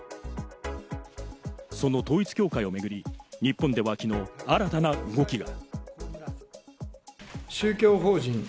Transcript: その統一教会を巡り、日本ではきのう新たな動きが。